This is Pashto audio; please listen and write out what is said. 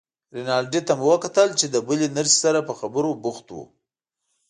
رینالډي ته مو وکتل چې له بلې نرسې سره په خبرو بوخت و.